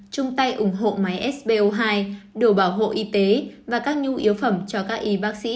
chung tay ủng hộ máy sbo hai đồ bảo hộ y tế và các nhu yếu phẩm cho các y bác sĩ